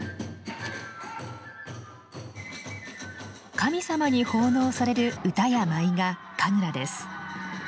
神様に奉納される歌や舞が神楽です。